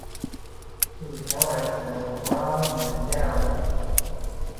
His parents are from Nigeria.